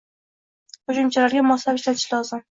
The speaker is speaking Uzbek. Qo’shimchalarga moslab ishlatish lozim.